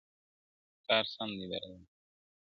ما به کرار ـ کرار د زړه په تار پېيل گلونه~